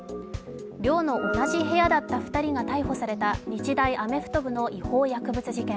寮の同じ部屋だった２人が逮捕された日大アメフト部の違法薬物事件。